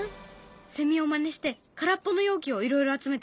セミをまねして空っぽの容器をいろいろ集めたよ。